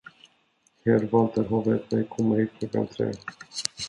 Herr Walter har bett mig komma hit klockan tre.